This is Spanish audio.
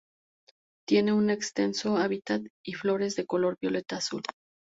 Tiene un extenso hábitat, y flores de color violeta-azul.